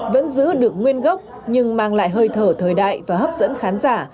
vẫn giữ được nguyên gốc nhưng mang lại hơi thở thời đại và hấp dẫn khán giả